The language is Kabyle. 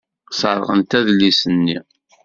Sserɣent adlis-nni.